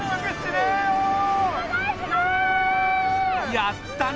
やったな！